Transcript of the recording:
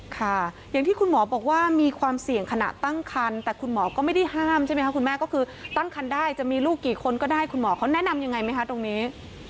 ค่ะอย่างที่คุณหมอบอกว่ามีความเสี่ยงขณะตั้งคันแต่คุณหมอก็ไม่ได้ห้ามใช่ไหมคะคุณแม่ก็คือตั้งคันได้จะมีลูกกี่คนก็ได้คุณหมอเขาแนะนำยังไงไหมคะตรงนี้